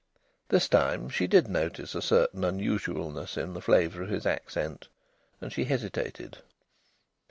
This time she did notice a certain unusualness in the flavour of his accent. And she hesitated.